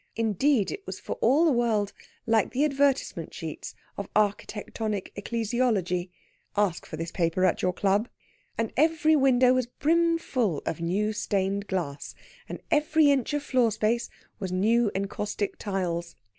Indeed, it was for all the world like the advertisement sheets of Architectonic Ecclesiology (ask for this paper at your club), and every window was brim full of new stained glass, and every inch of floor space was new encaustic tiles.